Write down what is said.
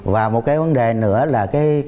và một cái vấn đề nữa là